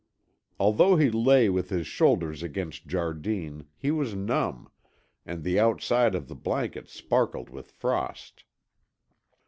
Although he lay with his shoulders against Jardine, he was numb, and the outside of the blanket sparkled with frost.